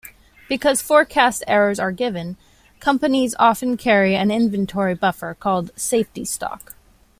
Because forecast errors are given, companies often carry an inventory buffer called "safety stock".